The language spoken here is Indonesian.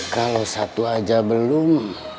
kalau satu aja belum